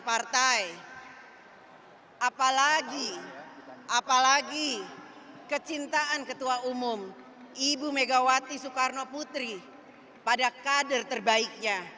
partai apalagi kecintaan ketua umum ibu megawati soekarno putri pada kader terbaiknya